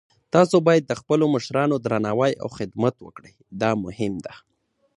تاسو باید د خپلو مشرانو درناوی او خدمت وکړئ، دا مهم ده